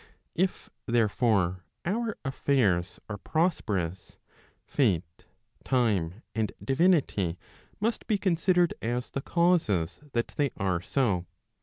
If, therefore, our affairs are prosper¬ ous, Fate, Time, and Divinity, must be considered as the causes that they are so.